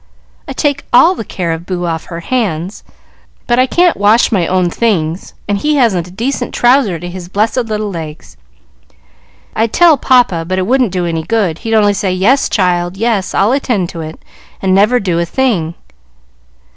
I take all the care of Boo off her hands, but I can't wash my own things, and he hasn't a decent trouser to his blessed little legs. I'd tell papa, but it wouldn't do any good; he'd only say, 'Yes, child, yes, I'll attend to it,' and never do a thing."